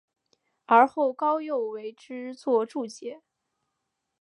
而后高诱为之作注解。